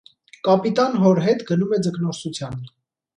Կապիտան հոր հետ գնում է ձկնորսության։